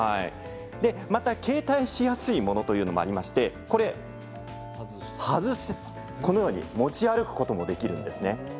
また携帯しやすいものというのもありまして外して、このように持ち歩くことができるんですね。